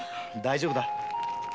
大丈夫だ。